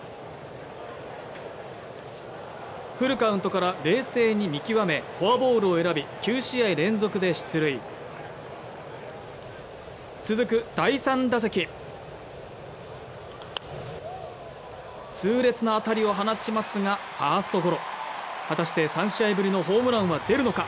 フルカウントから冷静に見極めフォアボールを選び９試合連続で出塁続く第３打席痛烈な当たりを放ちますがファーストゴロ果たして３試合ぶりのホームランは出るのか